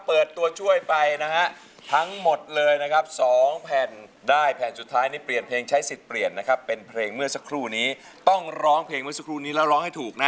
ตัวช่วยไปนะฮะทั้งหมดเลยนะครับ๒แผ่นได้แผ่นสุดท้ายนี่เปลี่ยนเพลงใช้สิทธิ์เปลี่ยนนะครับเป็นเพลงเมื่อสักครู่นี้ต้องร้องเพลงเมื่อสักครู่นี้แล้วร้องให้ถูกนะ